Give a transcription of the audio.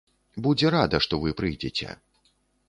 Будзе рада, што вы прыйдзеце.